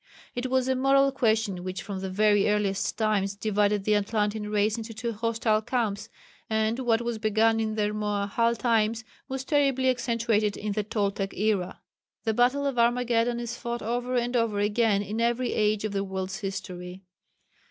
It was a moral question which from the very earliest times divided the Atlantean Race into two hostile camps, and what was begun in the Rmoahal times was terribly accentuated in the Toltec era. The battle of Armageddon is fought over and over again in every age of the world's history.